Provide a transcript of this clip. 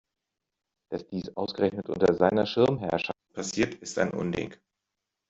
Dass dies ausgerechnet unter seiner Schirmherrschaft passiert, ist ein Unding!